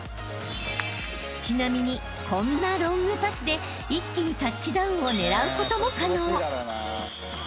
［ちなみにこんなロングパスで一気にタッチダウンを狙うことも可能］